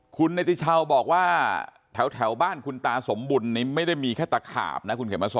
คุณติเช่าบอกว่าแถวบ้านคุณตาสมบุญนี้ไม่ได้มีแค่ตะขาบนะ